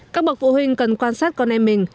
các bậc phụ huynh cần quan sát con em mình